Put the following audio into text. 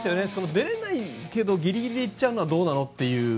出れないけど、ギリギリで行っちゃうのはどうなの？